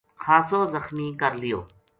خاصو زخمی کر لیو